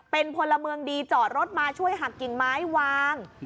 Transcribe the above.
เป็นพลเมืองดีจอดรถมาช่วยหักกิ่งไม้วาง